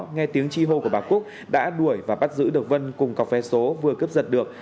nghe tiếng chi hô của bà cúc đã đuổi và bắt giữ được vân cùng cọc vé số vừa cướp giật được